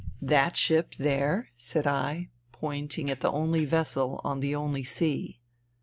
" That ship there,'' said I, pointing at the only vessel on the only sea.